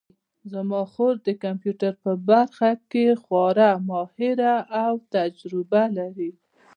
زما خور د کمپیوټر په برخه کې خورا ماهره او تجربه لري